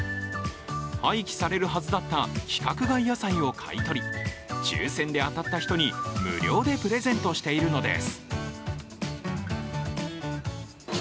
廃棄されるはずだった規格外野菜を買い取り、抽選で当たった人に無料でプレゼントしているのです。